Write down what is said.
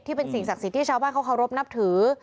เป็นสิ่งศักดิ์สิทธิ์ที่ชาวบ้านเขาเคารพนับถือ